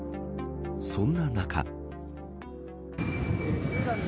そんな中。